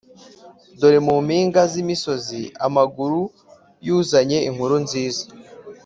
Dore mu mpinga z’imisozi amaguru y’uzanye inkuru nziza